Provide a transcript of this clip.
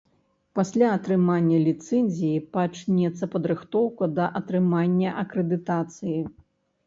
Пасля атрымання ліцэнзіі пачнецца падрыхтоўка да атрымання акрэдытацыі.